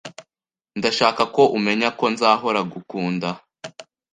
Ndashaka ko umenya ko nzahora ngukunda